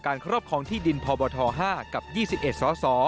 การครบของที่ดินพบ๕กับ๒๑สส